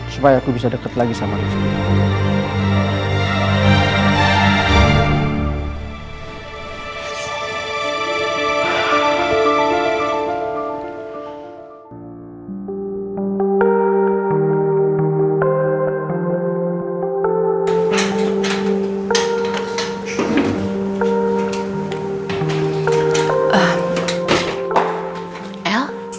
supaya aku bisa deket lagi sama rifqi